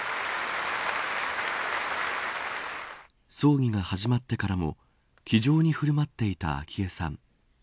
葬儀が始まってからも気丈に振る舞っていた昭恵さん。